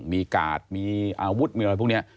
มีกาดมีอาวุธมีอะไรพวกนี้